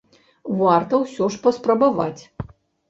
Варта ўсё ж паспрабаваць.